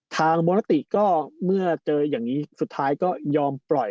โมนาติก็เมื่อเจออย่างนี้สุดท้ายก็ยอมปล่อย